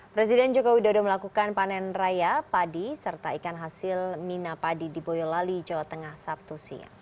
presiden jokowi dodo melakukan panen raya padi serta ikan hasil mina padi di boyolali jawa tengah sabtu siang